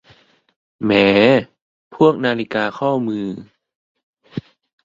แหม พวกนาฬิกาข้อมือ